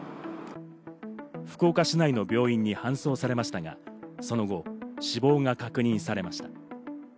福岡市内の病院に搬送されましたが、その後、死亡が確認されました。